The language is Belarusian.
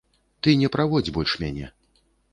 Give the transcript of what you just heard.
Ты не праводзь больш мяне.